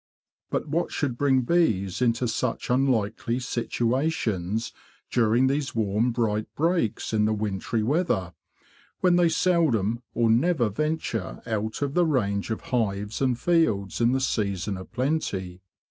But what should bring bees into such unlikely situations during these warm bright breaks in the wintry weather, when they seldom or never venture out of the range of hives and fields in the season of plenty?